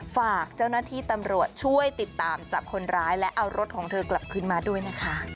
ฝากเจ้าหน้าที่ตำรวจช่วยติดตามจับคนร้ายและเอารถของเธอกลับขึ้นมาด้วยนะคะ